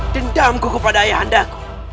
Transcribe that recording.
dendamku kepada ayah andamu